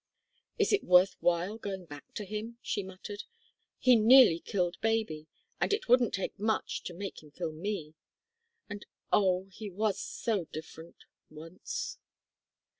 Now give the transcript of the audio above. "Is it worth while going back to him?" she muttered. "He nearly killed baby, and it wouldn't take much to make him kill me. And oh! he was so different once!"